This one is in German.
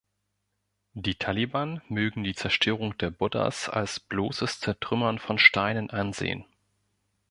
Die Taliban mögen die Zerstörung der Buddhas als bloßes Zertrümmern von Steinen ansehen.